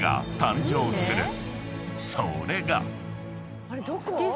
［それが］